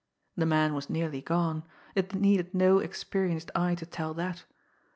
The man was nearly gone it needed no experienced eye to tell that.